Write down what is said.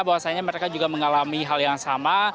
bahwasannya mereka juga mengalami hal yang sama